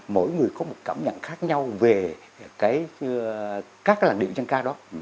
mỗi người có một cảm nhận khác nhau về các làn điệu dân ca đó